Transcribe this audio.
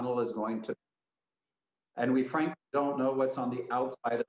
perkembangan kerajaan di antara negara asia